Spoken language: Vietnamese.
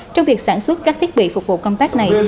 trong việc sản xuất các thiết bị phục vụ công tác này